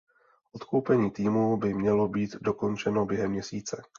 Odkoupení týmu by mělo být dokončeno během měsíce.